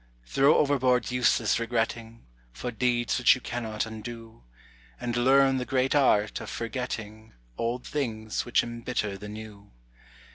Throw overboard useless regretting For deeds which you cannot undo, And learn the great art of forgetting Old things which embitter the new.